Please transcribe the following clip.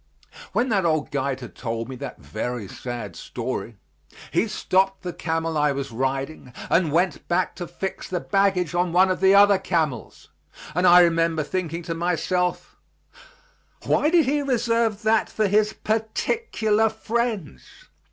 When that old guide had told me that very sad story, he stopped the camel I was riding and went back to fix the baggage on one of the other camels, and I remember thinking to myself, "Why did he reserve that for his particular friends?"